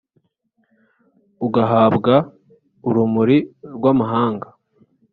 ugahabwa urumuri rw’amahanga